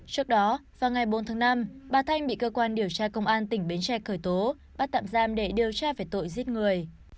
trước đó vào ngày bốn tháng năm bà thanh bị cơ quan điều tra công an tỉnh bến tre khởi tố bắt tạm giam để điều tra về tội giết người